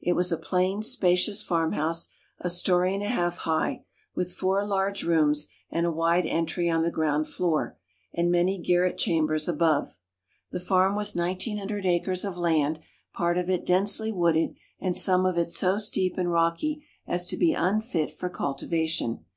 It was a plain, spacious farmhouse, a story and a half high, with four large rooms and a wide entry on the ground floor, and many garret chambers above. The farm was nineteen hundred acres of land, part of it densely wooded, and some of it so steep and rocky as to be unfit for cultivation.